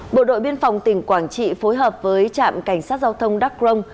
bộ đội biên phòng tỉnh quảng trị phối hợp với trạm cảnh sát giao thông đắk rông